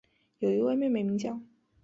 有一位妹妹名叫。